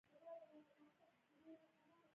نه د بل خبره اوري او نه دا بصيرت په كي وي